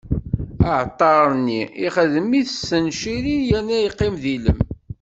Aɛalṭar-nni, ixdem-it s tencirin, yerna yeqqim d ilem.